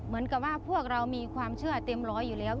เหมือนกับว่าพวกเรามีความเชื่อเต็มร้อยอยู่แล้ว